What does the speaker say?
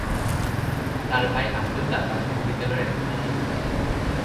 তার ভাই আব্দুল্লাহ প্রাথমিক বিদ্যালয়ের একজন শিক্ষক ছিলেন।